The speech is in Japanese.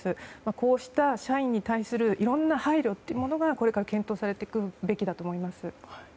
こうした社員に対するいろんな配慮というものがこれから検討されていくべきだと思います。